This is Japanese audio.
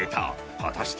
［果たして］